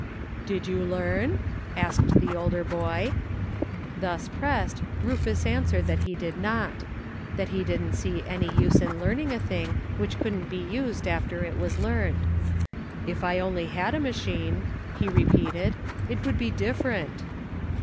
"Did you learn?" asked the older boy. Thus pressed, Rufus answered that he did not ; that he didn't see any use in learning a thing 18 DISAPPOINTMENT, which couldn't be used after it was learned. "If I only had a machine," he repeated, "it would be different."